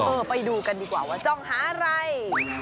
ไปดูกันดีกว่าว่าจ้องหาอะไร